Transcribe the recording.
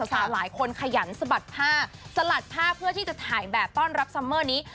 สาวหลายคนขยันสะบัดผ้าสลัดผ้าเพื่อที่จะถ่ายแบบต้อนรับซัมเมอร์นี้